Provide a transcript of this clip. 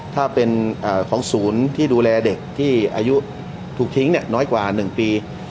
ถ้าเป็นของศูนย์ที่ดูแลเด็กที่อายุถูกทิ้งน้อยกว่า๑ปี